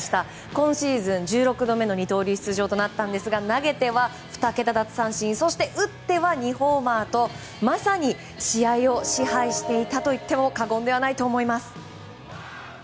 今シーズン、１６度目の二刀流での出場となったんですが投げては２桁奪三振打っては２ホーマーとまさに試合を支配していたといっても過言ではないと思います。